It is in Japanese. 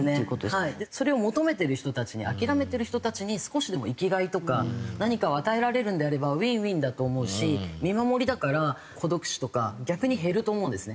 それを求めてる人たちに諦めてる人たちに少しでも生きがいとか何かを与えられるんであればウィンウィンだと思うし見守りだから孤独死とか逆に減ると思うんですね。